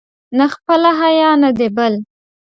نه خپله حیا، نه د بل.